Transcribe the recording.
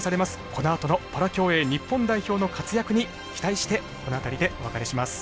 このあとのパラ競泳日本代表の活躍に期待してこの辺りでお別れします。